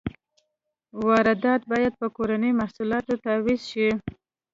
واردات باید په کورنیو محصولاتو تعویض شي.